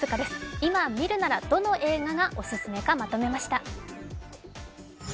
今見るならどの映画がおすすめかまとめました。